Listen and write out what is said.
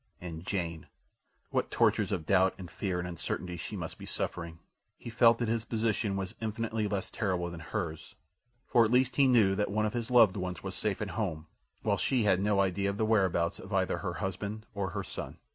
And Jane! What tortures of doubt and fear and uncertainty she must be suffering. He felt that his position was infinitely less terrible than hers, for he at least knew that one of his loved ones was safe at home, while she had no idea of the whereabouts of either her husband or her son.